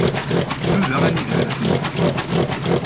Nudaɣ anida ara ten-afeɣ.